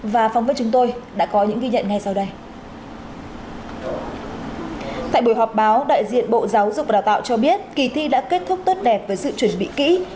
và phong với chúng tôi đã có những ghi nhận ngay sau đây